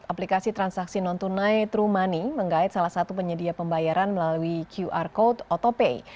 aplikasi transaksi non tunai truemoney mengait salah satu penyedia pembayaran melalui qr code autopay